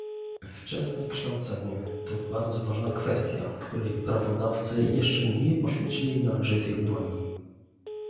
Wczesne kształcenie to bardzo ważna kwestia, której prawodawcy jeszcze nie poświęcili należytej uwagi